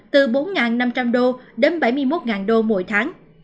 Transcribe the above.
từ bốn năm trăm linh đô đến bảy mươi một đô mỗi tháng